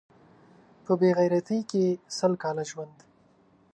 په بې غیرتۍ کې سل کاله ژوند